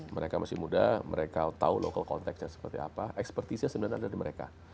mereka masih muda mereka tahu local contextnya seperti apa ekspertisnya sebenarnya ada di mereka